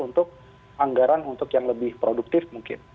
untuk anggaran untuk yang lebih produktif mungkin